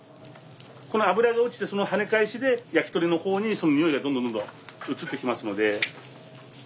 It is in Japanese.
この脂が落ちてその跳ね返しで焼き鳥の方にそのにおいがどんどんどんどん移ってきますので。